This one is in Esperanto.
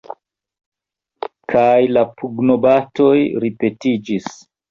Kaj la pugnobatoj ripetiĝis.